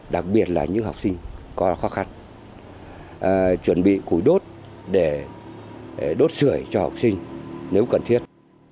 đặc biệt là những học sinh có khó khăn chuẩn bị củi đốt để đốt sửa cho học sinh nếu cần thiết